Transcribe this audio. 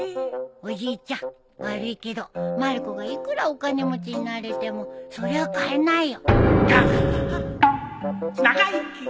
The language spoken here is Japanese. おじいちゃん悪いけどまる子がいくらお金持ちになれてもそれは買えないよ。